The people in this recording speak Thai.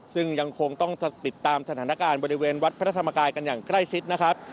ซึ่งยังคงต้องติดตามสถานการณ์บริเวณวัดพระธรรมกายกันอย่างใกล้ชิดนะครับ